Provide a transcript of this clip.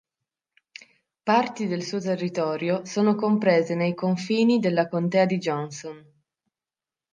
Parti del suo territorio sono comprese nei confini della contea di Johnson.